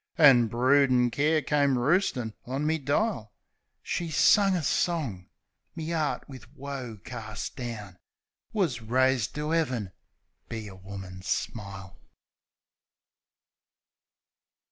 An' broodin' care come roostin' on me dile. She sung a song ... Me 'eart, wiv woe carst down, Wus raised to 'Eaven be a woman's smile.